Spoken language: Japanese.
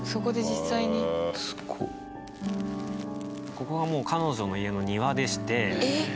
ここがもう彼女の家の庭でして。